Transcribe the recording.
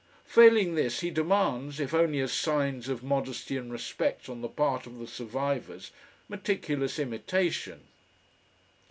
Failing this, he demands, if only as signs of modesty and respect on the part of the survivors, meticulous imitation.